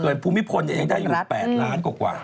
ส่วนภูมิพลยังได้อยู่๘ล้านกว่า